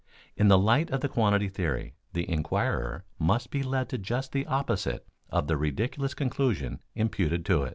In the light of the quantity theory the inquirer must be led to just the opposite of the ridiculous conclusion imputed to it.